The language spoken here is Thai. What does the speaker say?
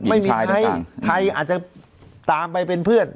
ไม่มีใครไทยอาจจะตามไปเป็นเพื่อน